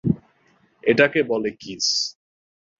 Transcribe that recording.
এটাকে বলে কিস!